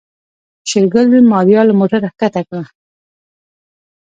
شېرګل ماريا له موټره کښته کړه.